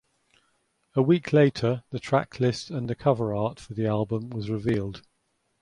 A week later the tracklist and the cover art for the album was revealed.